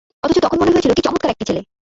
অথচ তখন মনে হয়েছিল, কী চমৎকার একটি ছেলে।